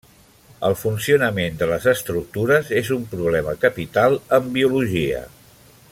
El funcionament de les estructures és un problema capital en biologia.